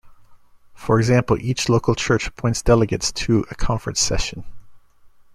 For example, each local church appoints delegates to a conference session.